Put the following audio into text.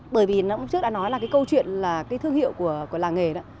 bởi vì nó trước đã nói là cái câu chuyện là cái thương hiệu của làng nghề đó